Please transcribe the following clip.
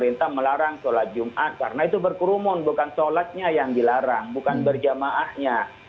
lalu pemerintah melarang sholat jumat karena itu berkurumun bukan shalatnya yang dilarang bukan perjamaahnya